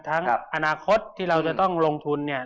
ทั้งอนาคตที่เราจะต้องลงทุนเนี่ย